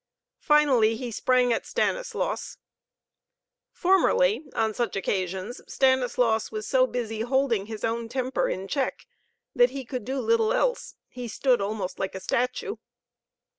Finally he sprang at Stanislaus. Formerly, on such occasions Stanislaus was so busy holding his own temper in check that he could do little else, he stood almost like a statue.